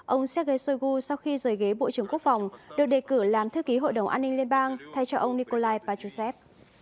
ông sergei shoigu sau khi rời ghế bộ trưởng quốc phòng được đề cử làm thư ký hội đồng an ninh liên bang thay cho ông nikolai pachusev